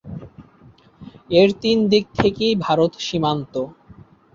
এর তিন দিকেই ভারত সীমান্ত।